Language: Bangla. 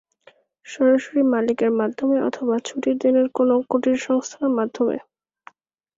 সরাসরি মালিকের মাধ্যমে অথবা ছুটির দিনের কোনো কুটির সংস্থার মাধ্যমে।